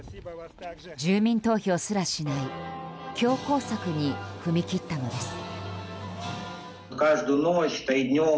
住民投票すらしない強硬策に踏み切ったのです。